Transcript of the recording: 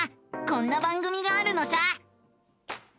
こんな番組があるのさ！